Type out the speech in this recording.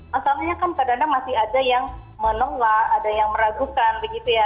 masalahnya kan kadang kadang masih ada yang menolak ada yang meragukan begitu ya